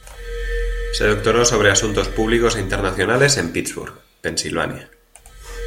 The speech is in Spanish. Se doctoró sobre "asuntos públicos e internacionales" en Pittsburgh, Pennsylvania.